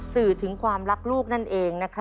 สื่อถึงความรักลูกนั่นเองนะคะ